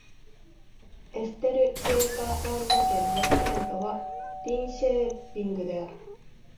エステルイェータランド県の県都はリンシェーピングである